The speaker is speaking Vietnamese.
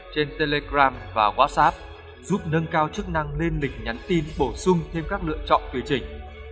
theo chức năng lên lịch nhắn tin bổ sung thêm các lựa chọn tùy chỉnh